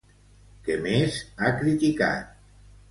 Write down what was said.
Què més ha criticat?